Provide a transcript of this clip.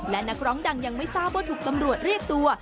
และนักร้องดังยังไม่ทราบว่าถูกตำรวจเรียกตัว